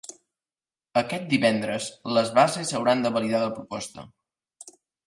Aquest divendres, les bases hauran de validar la proposta.